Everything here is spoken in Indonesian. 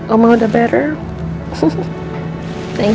emma udah baik kan